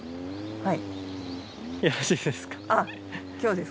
はい。